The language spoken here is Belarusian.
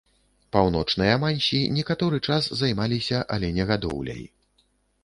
Паўночныя мансі некаторы час займаліся аленегадоўляй.